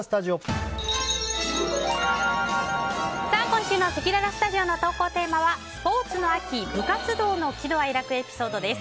今週のせきららスタジオの投稿テーマはスポーツの秋・部活動の喜怒哀楽エピソードです。